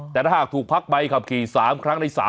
แต่ถ้าหากถูกพักใบขับขี่๓ครั้งใน๓